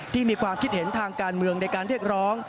ที่มีความคิดเห็นทางการเมืองโดยได้การเลี่ยงร้อม